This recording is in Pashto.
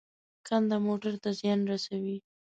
کنده موټر ته زیان رسوي.